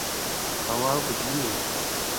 هوا بدلیږي